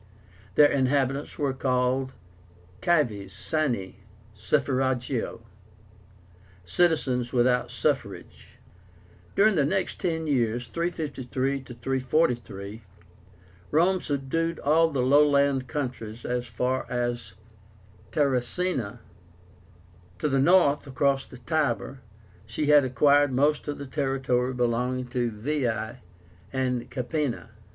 Their inhabitants were called CIVES SINE SUFFRAGIO, "citizens without suffrage." During the next ten years (353 343) Rome subdued all the lowland countries as far south as TARRACÍNA. To the north, across the Tiber, she had acquired most of the territory belonging to VEII and CAPÉNA.